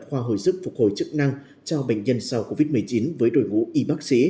khoa hồi sức phục hồi chức năng cho bệnh nhân sau covid một mươi chín với đội ngũ y bác sĩ